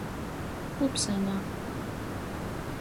Kupseņa.